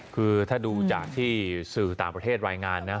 คือถ้าดูจากที่สื่อต่างประเทศรายงานนะ